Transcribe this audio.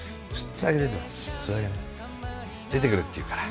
出てくれって言うから。